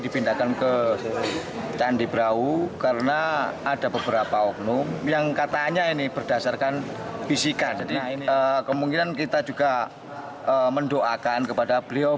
baik instasi atau perorangan